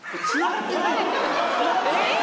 えっ！？